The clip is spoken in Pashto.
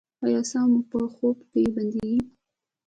ایا ساه مو په خوب کې بندیږي؟